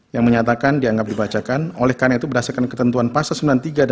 yang mulia hakim konsisi sebelum bawaslu untuk menegaskan keputusan mahkamah konsisi